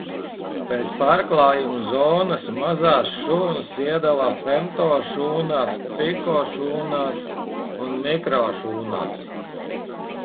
Pēc pārklājuma zonas mazās šūnas iedala femtošūnās, pikošūnās un mikrošūnās.